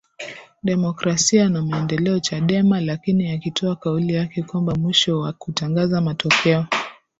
demokrasia na maendeleo chadema lakini akitoa kauli yake kwamba mwisho wa kutangaza matokeo